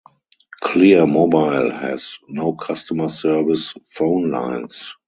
Clear Mobile has no customer service phone lines.